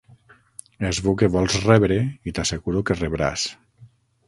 Es veu que vols rebre, i t'asseguro que rebràs!